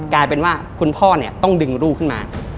กลายเป็นว่าคุณพ่อเนี่ยต้องดึงลูกขึ้นมา